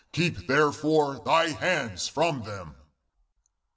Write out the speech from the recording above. Keep there fore thy hands from them."